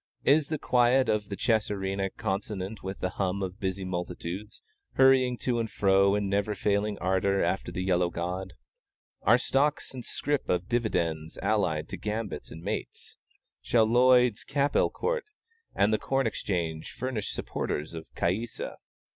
Is the quiet of the chess arena consonant with the hum of busy multitudes, hurrying to and fro in never failing ardor after the yellow god? Are stocks and scrip and dividends allied to gambits and mates? Shall Lloyd's Capel Court and the Corn Exchange furnish supporters of Caïssa?